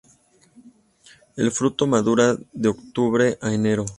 El fruto madura de octubre a enero.